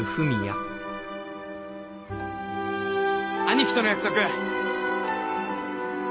兄貴との約束。